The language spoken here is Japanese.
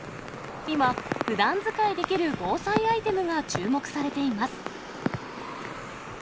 今、ふだん使いできる防災アイテムが注目されています。